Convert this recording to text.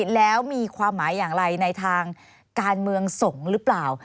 แล้วมีความหมายอย่างไรในทางการเมืองสงฆ์หรือเปล่า